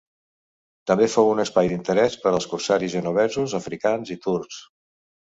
També fou un espai d’interès per als corsaris genovesos, africans i turcs.